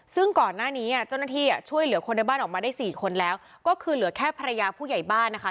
ซึ่งก่อนหน้านี้เจ้าหน้าที่ช่วยเหลือคนในบ้านออกมาได้สี่คนแล้วก็คือเหลือแค่ภรรยาผู้ใหญ่บ้านนะคะ